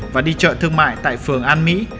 và đi chợ thương mại tại phường an mỹ